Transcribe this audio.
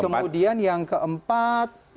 terus kemudian yang keempat